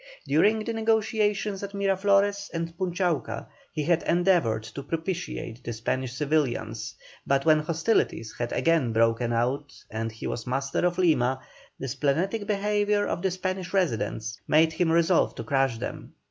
During the negotiations at Miraflores and Punchauca, he had endeavoured to propitiate the Spanish civilians, but when hostilities had again broken out and he was master of Lima, the splenetic behaviour of the Spanish residents, made him resolve to crush them.